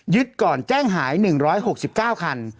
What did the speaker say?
ก่อนแจ้งหาย๑๖๙คัน